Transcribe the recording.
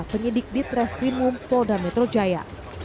adik adik di treskrimum polda metro jaya